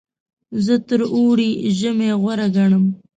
زه تر اوړي ژمی غوره ګڼم.